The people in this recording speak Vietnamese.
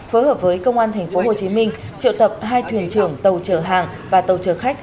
phối hợp với công an tp hcm triệu tập hai thuyền trưởng tàu chở hàng và tàu chở khách